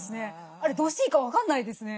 あれどうしていいか分かんないですね。